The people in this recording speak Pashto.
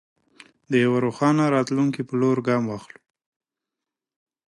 د یوه روښانه راتلونکي په لور ګام واخلو.